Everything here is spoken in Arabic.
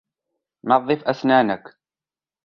نظف اسنانك.